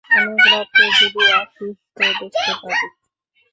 অনেক রাত্রে যদি আসিস তো দেখতে পাবি।